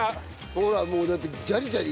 ほらもうだってジャリジャリ。